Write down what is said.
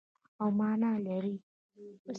او مانا لري.